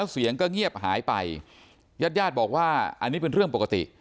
เสียงก็เงียบหายไปญาติญาติบอกว่าอันนี้เป็นเรื่องปกติ